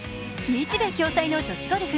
日米共催の女子ゴルフ。